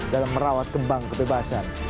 dalam merawat kembang kebebasan